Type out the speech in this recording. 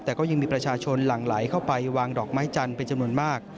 แต่ก็ยังมีประชาชนหลั่งไหลเข้าไปวางดอกไม้จันทร์เป็นจำนวนมาก